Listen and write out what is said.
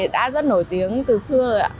đã rất nổi tiếng từ xưa